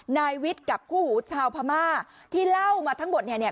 นายวิทย์กับคู่หูชาวพม่าที่เล่ามาทั้งหมดเนี่ยเนี่ย